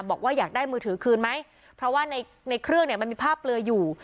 บอกว่าอยากได้มือถือคืนไหมเพราะว่าในในเครื่องเนี่ยมันมีภาพเปลืออยู่